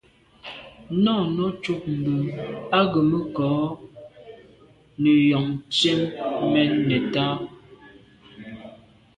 Náná cúp mbə̄ á gə̀ mə́ kɔ̌ nə̀ jɔ̌ŋ tsjə́n mɛ́n nə̀tá.